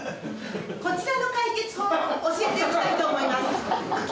こちらの解決法を教えて行きたいと思います。